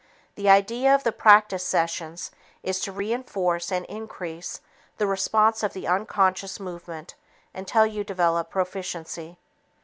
The idea of the practice sessions is to reinforce and increase the response of the unconscious movement until you develop proficiency.